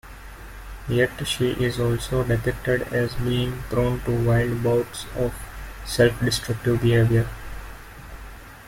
Yet she is also depicted as being prone to wild bouts of self-destructive behavior.